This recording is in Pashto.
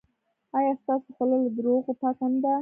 ایا ستاسو خوله له درواغو پاکه نه ده؟